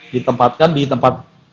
di tempatkan di tempat